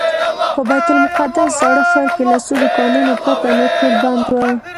په بیت المقدس زاړه ښار کې له څو دوکانونو پرته نور ټول بند و.